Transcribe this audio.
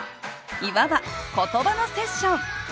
いわば言葉のセッション。